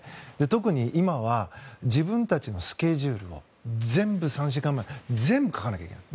特に今は自分たちのスケジュールを全部、書かなきゃいけない。